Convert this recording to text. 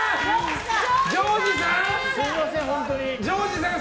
ジョージさん！